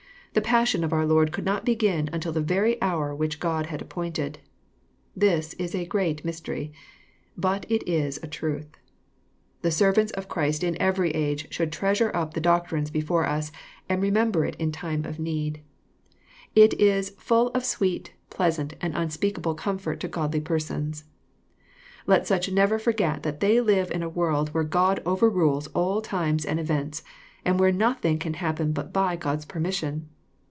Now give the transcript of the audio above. The passion of oar Lord could not begin until the very hour which God had appointed. This is a great ifij^stery. But it Is a truth. The servants of Christ in every age should treasure up the doctrine before us, and remember it in time of need. JOHN, CHAP. vn. 29 It is " full of sweet, pleasant, and unspeakable comfort to godly persons." Let such never forget that they live in a world where God overrules a ll ti mes and events, and where nothing cag happen but_by God's permission.